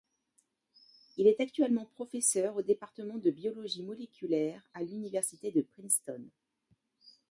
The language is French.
Il est actuellement professeur au département de biologie moléculaire à l'Université de Princeton.